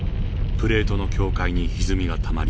プレートの境界にひずみがたまり